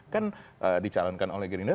kan dicalonkan oleh gerinda